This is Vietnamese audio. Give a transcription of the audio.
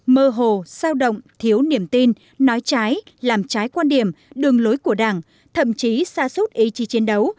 mơ hồ sao động thiếu niềm tin nói trái làm trái quan điểm đường lối của đảng thậm chí xa suốt ý chí chiến đấu